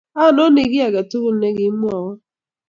anonii kiy ake tugul nekimwowo.